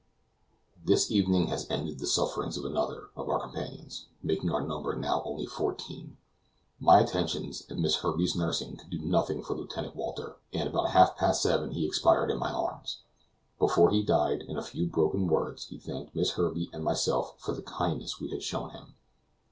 This evening has ended the sufferings of another of our companions, making our number now only fourteen. My attentions and Miss Herbey's nursing could do nothing for Lieutenant Walter, and about half past seven he expired in my arms. Before he died, in a few broken words, he thanked Miss Herbey and myself for the kindness we had shown him.